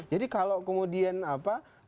jadi kalau kemudian apa